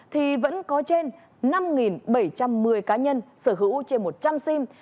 thì vẫn có trên năm bảy trăm một mươi cá nhân sở hữu trên một trăm linh sim